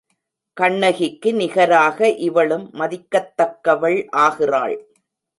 கண்ணகிக்கு நிகராக இவளும் மதிக்கத்தக்கவள் ஆகிறாள்.